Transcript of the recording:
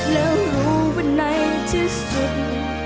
แล้วรู้ว่าในที่สุด